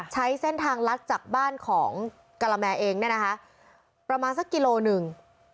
ใช้เส้นทางลัดจากบ้านของกะละแมเองเนี่ยนะคะประมาณสักกิโลหนึ่ง